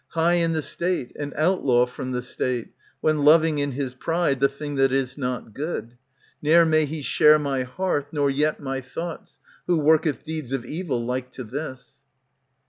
High in the State : an outlaw from the State, When loving, in his pride, *^^ The thing that is not good ; Ne'er may he share my hearth, nor yet my thoughts. Who worketh deeds of evil like to this.